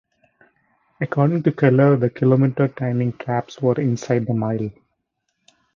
According to Keller the kilometer timing traps were inside the mile.